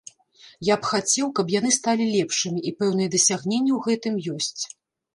Я б хацеў, каб яны сталі лепшымі, і пэўныя дасягненні ў гэтым ёсць.